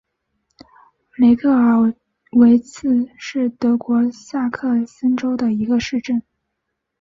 雷克尔维茨是德国萨克森州的一个市镇。